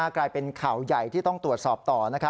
กลายเป็นข่าวใหญ่ที่ต้องตรวจสอบต่อ